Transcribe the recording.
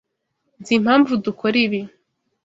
Nzi impamvu dukora ibi.